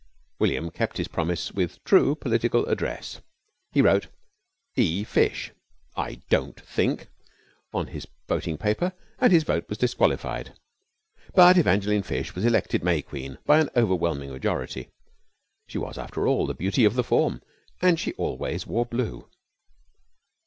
William kept his promise with true political address. He wrote "E. Fish I don't think!" on his voting paper and his vote was disqualified. But Evangeline Fish was elected May Queen by an overwhelming majority. She was, after all, the beauty of the form and she always wore blue.